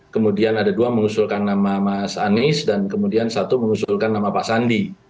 kemudian ada dua mengusulkan nama mas anies dan kemudian satu mengusulkan nama pak sandi